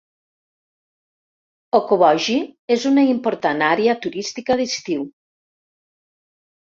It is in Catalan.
Okoboji és una important àrea turística d'estiu.